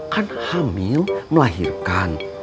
kan hamil melahirkan